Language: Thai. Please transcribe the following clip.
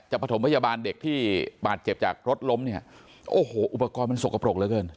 ประถมพยาบาลเด็กที่บาดเจ็บจากรถล้มเนี่ยโอ้โหอุปกรณ์มันสกปรกเหลือเกิน